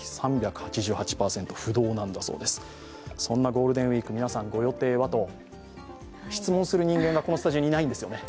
ゴールデンウイーク、ご予定はと質問する人間が、このスタジオにはいないんですよね。